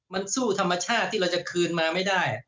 มันสู้ธรรมชาติที่เราจะคืนมาไม่ได้